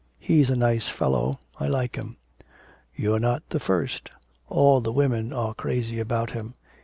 He's a nice fellow. I like him.' 'You're not the first. All the women are crazy about him.